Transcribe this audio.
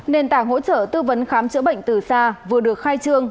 nền tảng hỗ trợ tư vấn khám chữa bệnh từ xa vừa được khai trương